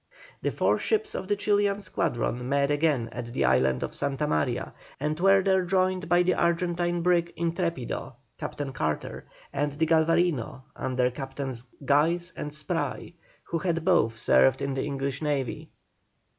The four ships of the Chilian squadron met again at the island of Santa Maria and were there joined by the Argentine brig Intrepido, Captain Carter, and the Galvarino under Captains Guise and Spry, who had both served in the English navy.